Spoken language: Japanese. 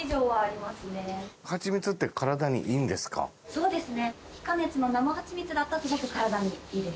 そうですね。